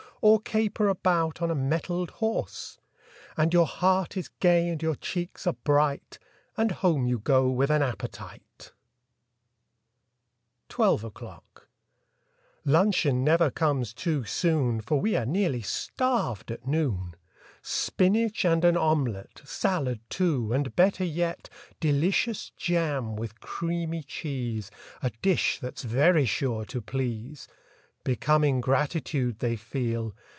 Or caper about on a mettled horse! And your heart is gay and your cheeks are bright— And home you go with an appetite! 21 ELEVEN O'CLOCK 23 TWELVE O'CLOCK 1 UNCHEON never comes too soon, J Eor we are nearly starved at noon! Spinach and an omelette, Salad, too, and better yet Delicious jam with creamy cheese— A dish that's very sure to please! Becoming gratitude they feel.